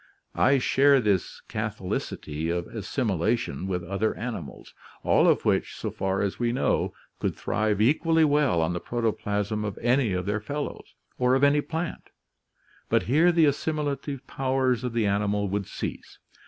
I share this catholicity of assimilation with other animals, all of which, so far as we know, could thrive equally well on the protoplasm of any of their fellows, or of any 28 ORGANIC EVOLUTION plant; but here the assimilative powers of the animal would cease.